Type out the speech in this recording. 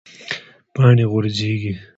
پاڼې غورځیږي